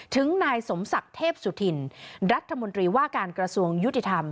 ถึงนายสมศักดิ์เทพสุธินรัฐมนตรีว่าการกระทรวงยุติธรรม